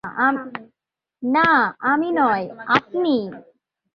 না, আমি নয়, আপনি!